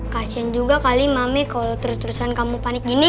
kasian juga kali mami kalau terus terusan kamu panik gini